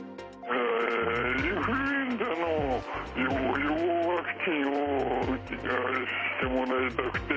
インフルエンザの予防ワクチンをあれしてもらいたくて。